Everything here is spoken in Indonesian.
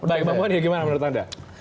baik pak mohon ya gimana menurut anda